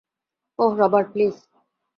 Oh, Robert, please.